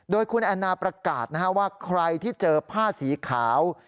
โดยคุณแอนนาประกาศว่าใครที่เจอผ้าสีขาว